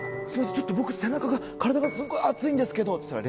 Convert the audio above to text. ちょっと僕背中が体がすごい熱いんですけど」って言ったら。